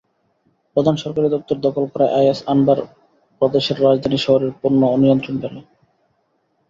প্রধান সরকারি দপ্তর দখল করায় আইএস আনবার প্রদেশের রাজধানী শহরের পূর্ণ নিয়ন্ত্রণ পেল।